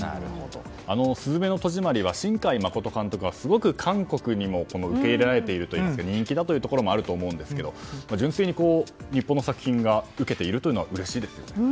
「すずめの戸締まり」は新海誠監督がすごく韓国にも受け入れられているというか人気だというところもあると思いますけど純粋に日本の作品が受けているのはうれしいですよね。